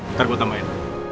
ntar gue tambahin